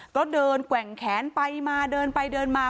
ก็เดินแกว่งแขนไปมาเดินไปเดินมา